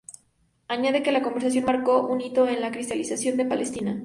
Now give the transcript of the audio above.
Añade que la conversión marcó un hito en la cristianización de Palestina.